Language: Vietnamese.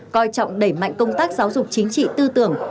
coi trọng đẩy mạnh công tác giáo dục chính trị tư tưởng